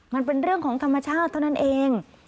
มันเป็นเรื่องของธรรมชาติเท่านั้นเอง